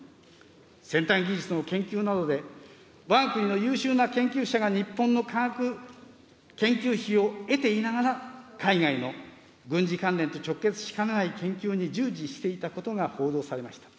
先端技術の研究などで、わが国の優秀な研究者が日本の科学研究費を得ていながら、海外の軍事関連と直結しかねない研究に従事していたことが報道されました。